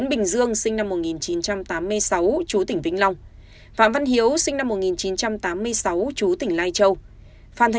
đỗ xuân khải sinh năm một nghìn chín trăm chín mươi sáu chú tỉnh đắk lắc